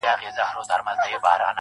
كله، كله يې ديدن تــه لـيونـى سم.